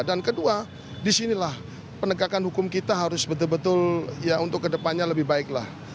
dan kedua disinilah penegakan hukum kita harus betul betul untuk ke depannya lebih baik